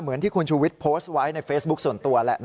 เหมือนที่คุณชูวิทย์โพสต์ไว้ในเฟซบุ๊คส่วนตัว